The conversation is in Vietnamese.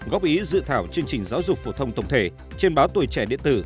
góp ý dự thảo chương trình giáo dục phổ thông tổng thể trên báo tuổi trẻ điện tử